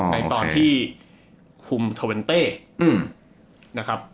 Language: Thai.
ในตอนที่คุมเทอร์เวนเต้นะครับ